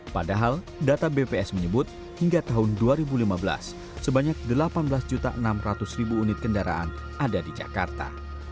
padahal data bps menyebut hingga tahun dua ribu lima belas sebanyak delapan belas enam ratus unit kendaraan ada di jakarta